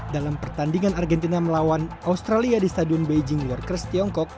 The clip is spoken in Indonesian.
dalam pertandingan argentina melawan australia di stadion beijing workers tiongkok